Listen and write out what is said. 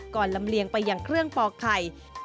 ลำเลียงไปอย่างเครื่องปอกไข่